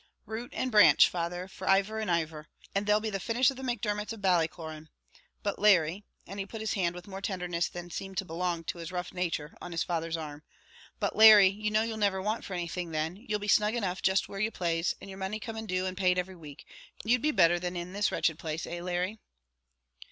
"Root and branch, father, for iver and iver; and there'll be the finish of the Macdermots of Ballycloran; but Larry," and he put his hand, with more tenderness than seemed to belong to his rough nature, on his father's arm; "but Larry, you know you'll never want for anything then; you'll be snug enough jist wherever you plaze; and your money coming due and paid every week you'd be better than in this wretched place; eh Larry?"